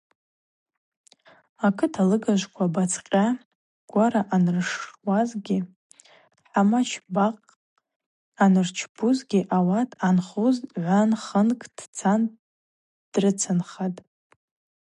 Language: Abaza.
Акыт алыгажвква, бацкъьа, гвара аныршшуазгьи, хӏамач, бакъ анырчпузгьи ауат ъанхуз гӏван-хынкӏ дцан дрыцынхатӏ.